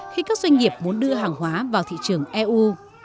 khi các doanh nghiệp muốn đưa hàng hóa vào thị trường eu